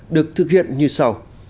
được thực hiện như sau